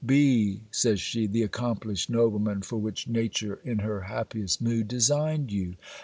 'Be,' says she, 'the accomplished nobleman for which nature in her happiest mood designed you.